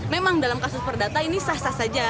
memang dalam kasus perdata ini sah sah saja